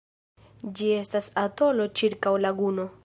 Ĝi estas atolo ĉirkaŭ laguno.